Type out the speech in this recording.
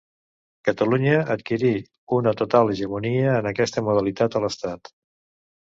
Catalunya adquirí una total hegemonia en aquesta modalitat a l'estat.